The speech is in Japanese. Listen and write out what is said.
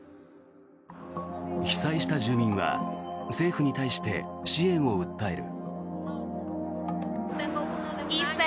被災した住民は政府に対して支援を訴える。